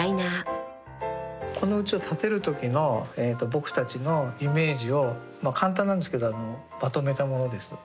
この家を建てる時の僕たちのイメージを簡単なんですけどまとめたものです。